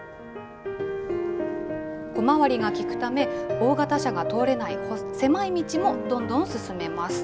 小回りが利くため、大型車が通れない狭い道も、どんどん進めます。